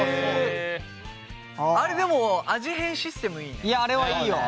あれでも味変システムいいね。